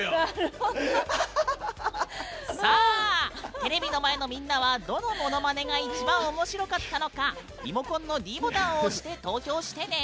テレビの前のみんなはどのものまねが一番おもしろかったのかリモコンのｄボタンを押して投票してね。